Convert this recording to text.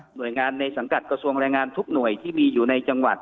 โดยงานในสังกัดกระทรวงแรงงานทุกหน่วยที่มีอยู่ในจังหวัด